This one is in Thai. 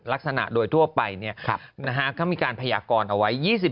ลักษณะโดยทั่วไปเนี่ยนะฮะเค้ามีการพยากรณ์เอาไว้